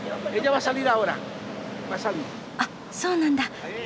あっそうなんだ。